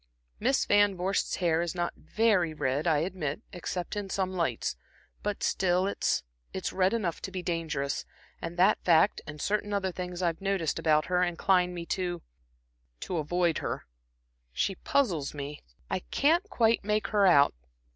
Miss Van Vorst's hair is not very red, I admit, except in some lights, but still it's it's red enough to be dangerous; and that fact, and certain other little things I've noticed about her, incline me to to avoid her. She puzzles me; I can't quite make her out.